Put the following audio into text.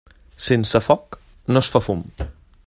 Sense foc no es fa fum.